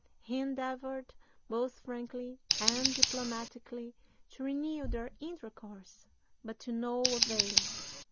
He endeavored, both frankly and diplomatically, to renew their intercourse; but to no avail.